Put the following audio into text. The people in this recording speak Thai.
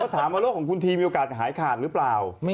ถามว่าโรคของคุณทีมีโอกาสหายขาดหรือเปล่า